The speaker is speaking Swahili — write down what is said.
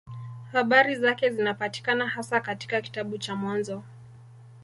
Habari zake zinapatikana hasa katika kitabu cha Mwanzo.